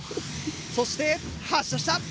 そして発射した！